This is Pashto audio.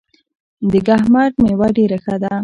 د کهمرد میوه ښه ده